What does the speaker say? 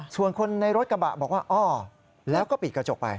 ส่วนคนในรถกระบะบอกว่าอ้อแล้วก็ปิดกระจกไป